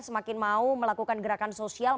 semakin mau melakukan gerakan sosial